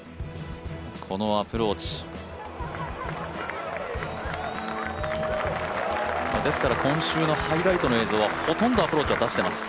このアプローチ。ですから今週のハイライトの映像はほとんどアプローチを出しています。